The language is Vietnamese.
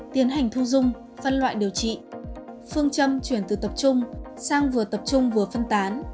tiến hành thu dung phân loại điều trị phương châm chuyển từ tập trung sang vừa tập trung vừa phân tán